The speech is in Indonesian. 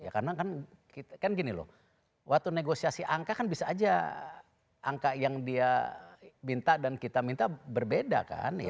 karena kan gini loh waktu negosiasi angka kan bisa aja angka yang dia minta dan kita minta berbeda kan